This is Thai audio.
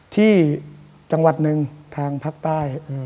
ที่จังหวัดหนึ่งทางภาคใต้